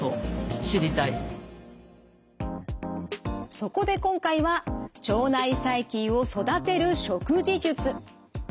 そこで今回は腸内細菌を育てる食事術。